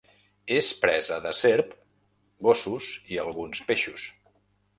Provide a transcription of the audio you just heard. És presa de serp, gossos i alguns peixos.